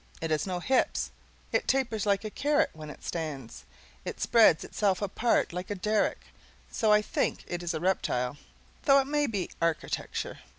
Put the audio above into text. It has no hips; it tapers like a carrot; when it stands, it spreads itself apart like a derrick; so I think it is a reptile, though it may be architecture.